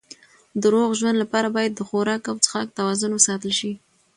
د روغ ژوند لپاره باید د خوراک او څښاک توازن وساتل شي.